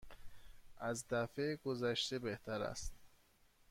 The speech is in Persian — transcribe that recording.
از دفعه گذشته بهتر است.